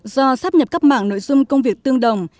do sắp nhập các mảng nội dung công việc tương đồng